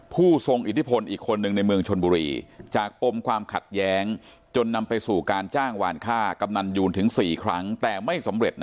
ผู้ทรงอิทธิพลอีกคนหนึ่งในเมืองชนบุรีจากปมความขัดแย้งจนนำไปสู่การจ้างวานค่ากำนันยูนถึง๔ครั้งแต่ไม่สำเร็จ